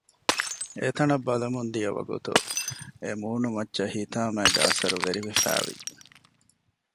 އެތަނަށް ބަލަމުން ދިޔަ ވަގުތު އެ މުނޫމައްޗަށް ހިތާމައިގެ އަސަރު ވެރިވެފައިވި